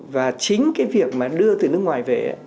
và chính cái việc mà đưa từ nước ngoài về